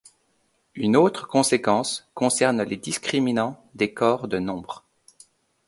Une autre conséquence concerne les discriminants des corps de nombres.